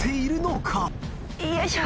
よいしょ。